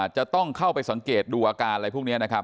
จะต้องเข้าไปสังเกตดูอาการอะไรพวกนี้นะครับ